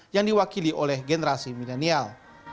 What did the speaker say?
yang diwakili oleh generasi milenial